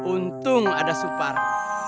untung ada supasa